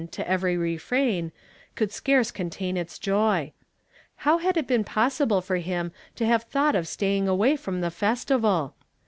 to every refrain, could scarce contain its joy. llow had it been possible for him to have thought of staying away from the Festival?